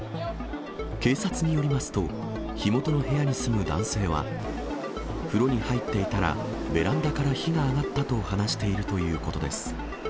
警察によりますと、火元の部屋に住む男性は、風呂に入っていたら、ベランダから火が上がったと話しているということです。